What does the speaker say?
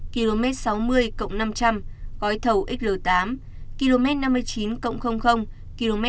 km sáu mươi năm trăm linh cõi thầu xl tám km năm mươi chín km sáu mươi bảy